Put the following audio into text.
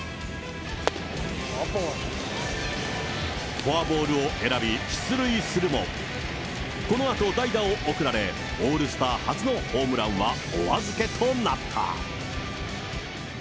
フォアボールを選び、出塁するも、このあと代打を送られ、オールスター初のホームランはお預けとなった。